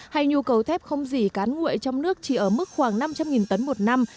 hay nhu cầu thép không dì cán nguội trong nước chỉ ở mức khoảng năm trăm linh tấn một năm